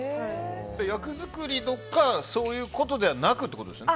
役作りとかそういうことではなくということですか。